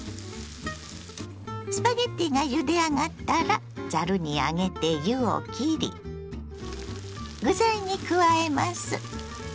スパゲッティがゆであがったらざるに上げて湯をきり具材に加えます。